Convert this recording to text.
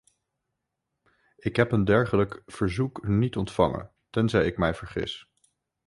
Ik heb een dergelijk verzoek niet ontvangen, tenzij ik mij vergis.